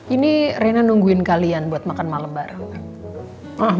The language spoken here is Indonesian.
ini reina nungguin kalian buat makan malem bareng